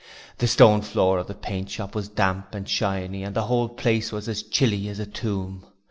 The stone floor of the paint shop was damp and shiny and the whole place was chilly as a tomb.